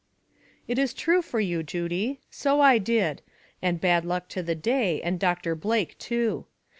"It is true for you, Judy; so I did, and bad luck to the day and Doctor Blake, too.